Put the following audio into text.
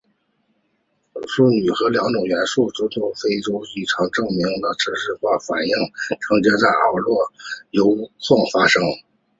钕和钌两种元素同位素丰度的异常可以证明自持性裂变核反应曾在奥克洛铀矿发生。